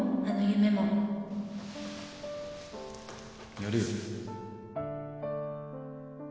やるよ